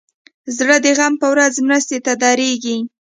زړه د غم په ورځ مرستې ته دریږي.